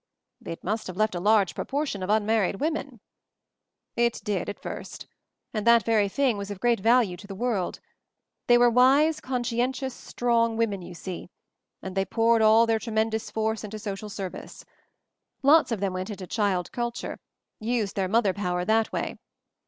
"It must have left a large proportion of unmarried women." "It did, at first. And that very thing was of great value to the world. They were wise,^ conscientious, strong women, you see, and ] they poured all their tremendous force into social service. Lots of them went into child culture — used their mother power that way.